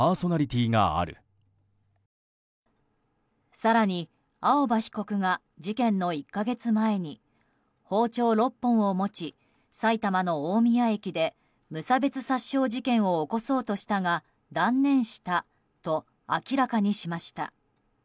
更に、青葉被告が事件の１か月前に包丁６本を持ち埼玉の大宮駅で無差別殺傷事件を起こそうとしたが断念したと明らかにしました。